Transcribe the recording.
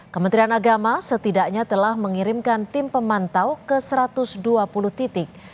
kementerian agama setidaknya telah mengirimkan tim pemantau ke satu ratus dua puluh titik